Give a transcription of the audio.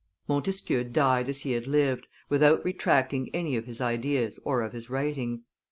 Montesquieu died as he had lived, without retracting any of his ideas or of his writings.